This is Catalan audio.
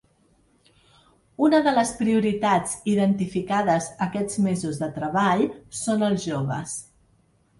Una de les prioritats identificades aquests mesos de treball són els joves.